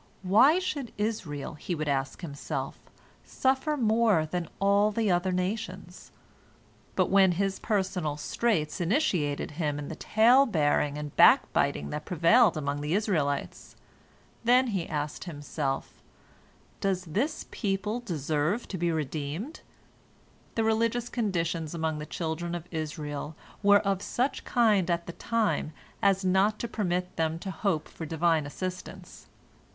Why should Israel, he would ask himself, suffer more than all the other nations? But when his personal straits initiated him in the talebearing and back biting that prevailed among the Israelites, then he asked himself, Does this people deserve to be redeemed? The religious conditions among the children of Israel were of such kind at that time as not to permit them to hope for Divine assistance.